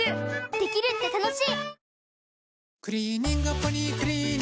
できるって楽しい！